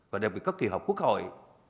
và đặc biệt các kỳ họp quốc hội